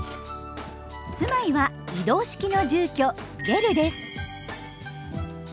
住まいは移動式の住居「ゲル」です。